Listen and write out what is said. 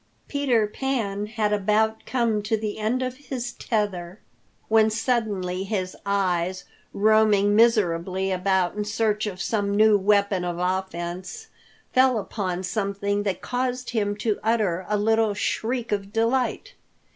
Peter Pan had about come to the end of his tether when suddenly his eyes, roaming miserably about in search of some new weapon of offense, fell upon something that caused him to utter a little shriek of delight.